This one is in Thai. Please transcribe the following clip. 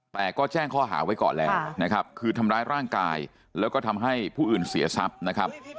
แต่ก็แจ้งข้อหาไว้ก่อนแล้วนะครับคือทำร้ายร่างกายแล้วก็ทำให้ผู้อื่นเสียทรัพย์นะครับ